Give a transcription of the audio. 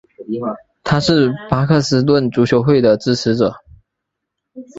他是巴克斯顿足球会的支持者。